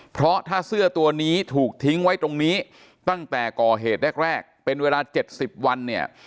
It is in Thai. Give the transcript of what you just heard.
เพราะถ้าเสื้อตัวนี้ถูกทิ้งไว้ตรงนี้ตั้งแต่ก่อเหตุแรกแรกเป็นเวลา๗๐วันเนี่ย